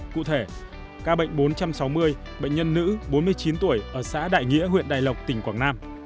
cụ thể ca bệnh bốn trăm sáu mươi bệnh nhân nữ bốn mươi chín tuổi ở xã đại nghĩa huyện đài lộc tỉnh quảng nam